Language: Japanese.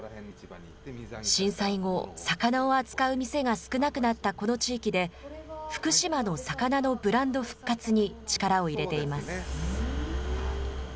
震災後、魚を扱う店が少なくなったこの地域で、福島の魚のブランド復活に力を入れています。